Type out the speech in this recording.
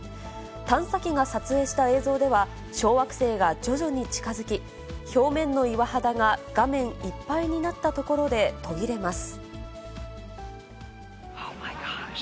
探査機が撮影した映像では小惑星が徐々に近づき、表面の岩肌が画面いっぱいになったところで途切れます。